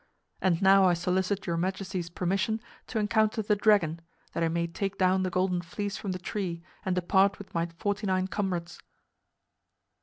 And now I solicit your majesty's permission to encounter the dragon, that I may take down the Golden Fleece from the tree and depart with my forty nine comrades."